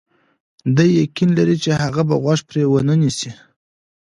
دی یقین لري چې هغه به غوږ پرې ونه نیسي.